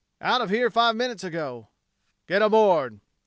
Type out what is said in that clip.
"Out of here five minutes ago." "Get aboard!"